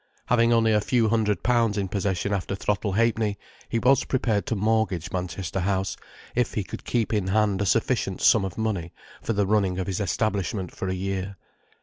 Having only a few hundred pounds in possession after Throttle Ha'penny, he was prepared to mortgage Manchester House if he could keep in hand a sufficent sum of money for the running of his establishment for a year.